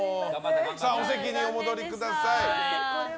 お席にお戻りください。